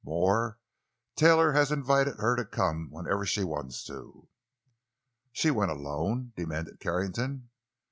More, Taylor has invited her to come whenever she wants to." "She went alone?" demanded Carrington.